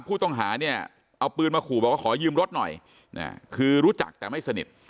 ผู้ต้องหาเนี่ยเอาปืนมาขู่บอกว่าขอยืมรถหน่อยคือรู้จักแต่ไม่สนิท